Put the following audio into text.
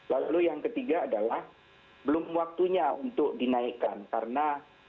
lalu yang ketiga adalah belum waktunya untuk dinaikkan karena